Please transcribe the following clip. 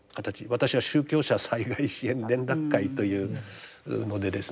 私は宗教者災害支援連絡会というのでですね